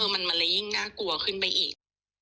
มันเลยยิ่งน่ากลัวขึ้นไปอีก